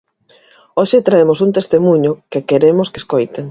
Hoxe traemos un testemuño que queremos que escoiten.